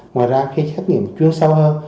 ngoài ra khi xét nghiệm chưa sâu hơn